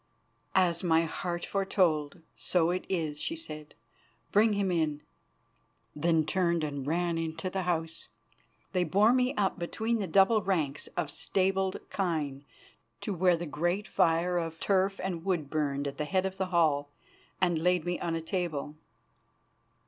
"As my heart foretold, so it is," she said. "Bring him in," then turned and ran to the house. They bore me up between the double ranks of stabled kine to where the great fire of turf and wood burned at the head of the hall, and laid me on a table.